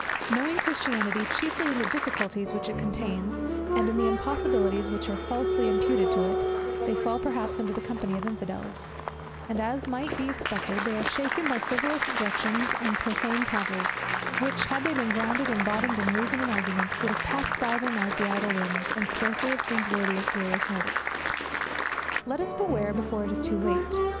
Knowing Christianity chiefly in the difficulties which it contains, and in the impossibilities which are falsely imputed to it, they fall perhaps into the company of infidels; and, as might be expected, they are shaken by frivolous objections and profane cavils, which, had they been grounded and bottomed in reason and argument, would have passed by them, "as the idle wind," and scarcely have seemed worthy of serious notice. Let us beware before it be too late.